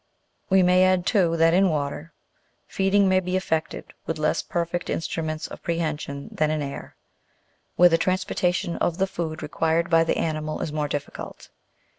We may add, too, that in water, feeding may be effected with less perfect instruments of prehension than in air, where the transportation of the food required by the animal is more difficult.